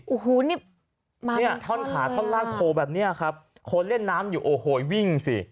โอ้โหนี่ท่อนขาท่อนล่างโผล่แบบนี้ครับคนเล่นน้ำอยู่โอ้โหวิ่งสิ